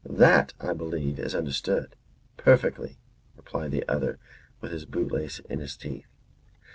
That, I believe, is understood." "Perfectly," replied the other with his bootlace in his teeth.